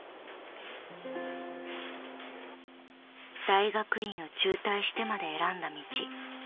［大学院を中退してまで選んだ道］